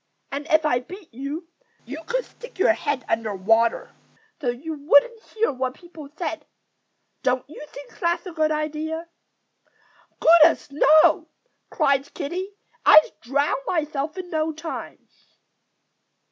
And if I beat you, you could stick your head under water, so you wouldn't hear what people said. Don't you think that's a good idea?" "Goodness, no!" cried Kiddie. "I'd drown myself in no time."